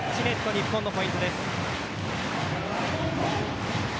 日本のポイントです。